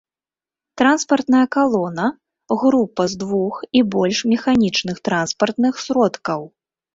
Транспартная калона — група з двух і больш механічных транспартных сродкаў